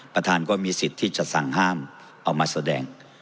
ก็มีสิทธิ์ที่จะสั่งห้ามเอามาแสดง